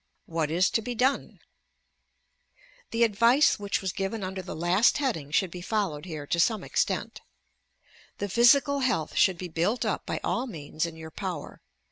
What is to be done I The advice which was given under the last heading should be followed here to some extent. The physical health should be built up by all means in your power.